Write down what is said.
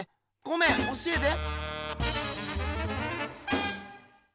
ごめん教えて。